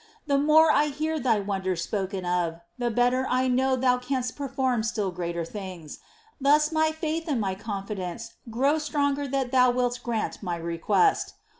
The more I hear Thy wonders spoken of, the better I know Thou canst perform still greater things : thus my faith and my confidence grow stronger that Thou wilt grant my request.